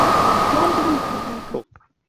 Yaje hano kuruhuka?